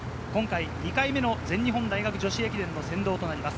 今回２回目の全日本大学女子駅伝の先導となります。